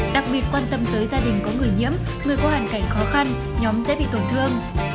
đặc biệt quan tâm tới gia đình có người nhiễm người có hoàn cảnh khó khăn nhóm dễ bị tổn thương